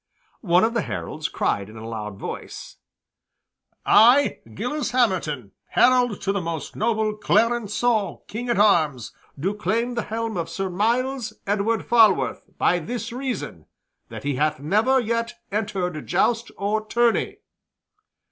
One of the heralds cried in a loud voice, "I, Gilles Hamerton, herald to the most noble Clarencieux King at arms, do claim the helm of Sir Myles Edward Falworth by this reason, that he hath never yet entered joust or tourney."